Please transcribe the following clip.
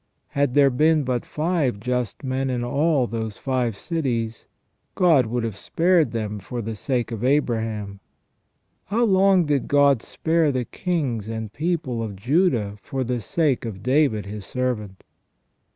Had there been but five just men in all those five cities, God would have spared them for the sake of Abraham. How long did God spare the kings and people of Juda for the sake of David His servant?